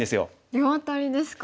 両アタリですか。